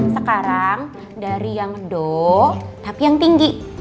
sekarang dari yang dow tapi yang tinggi